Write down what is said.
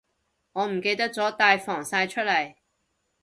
我唔記得咗帶防曬出嚟